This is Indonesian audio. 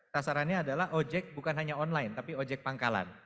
tasarannya adalah ojk bukan hanya online tapi ojk pangkalan